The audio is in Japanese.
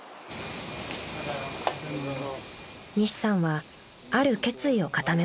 ［西さんはある決意を固めました］